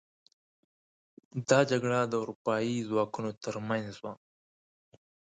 دا جګړه د اروپايي ځواکونو تر منځ وه.